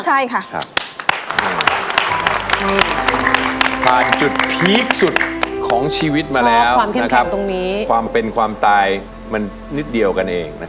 ใช่ค่ะมาจุดพีคสุดของชีวิตมาแล้วความเป็นความตายมันนิดเดียวกันเอง